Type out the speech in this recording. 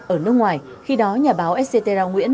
ở nước ngoài khi đó nhà báo etc nguyễn